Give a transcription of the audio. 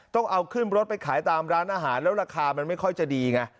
ต้องเอาขึ้นรถไปขายตามร้านอาหารแล้วราคามันไม่ค่อยจะดีไง